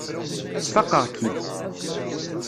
Sfaqeɣ-k-id.